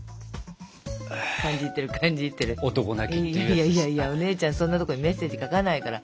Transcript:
いやいやいやお姉ちゃんそんなとこにメッセージ書かないから。